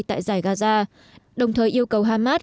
tại giải gaza đồng thời yêu cầu hamas